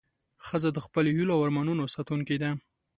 ښځه د خپلو هیلو او ارمانونو ساتونکې ده.